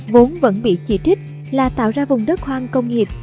vốn vẫn bị chỉ trích là tạo ra vùng đất hoang công nghiệp